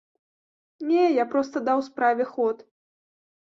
Не, я проста даў справе ход.